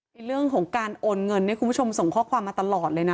เรื่องของการโอนเงินเนี่ยคุณผู้ชมส่งข้อความมาตลอดเลยนะ